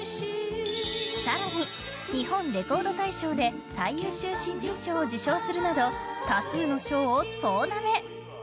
更に日本レコード大賞で最優秀新人賞を受賞するなど多数の賞を総なめ！